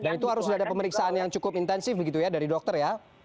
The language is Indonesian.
dan itu harus ada pemeriksaan yang cukup intensif begitu ya dari dokter ya